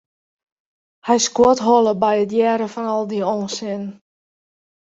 Hy skodholle by it hearren fan al dy ûnsin.